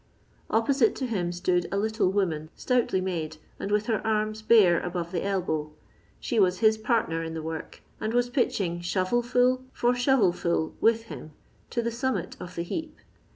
Opposite to him stood a little woman, stoutly made, and with her arms bare above the elbow ; she was his partner in the work, and was pitching shovel full for shovel full with him to the summit of the heap.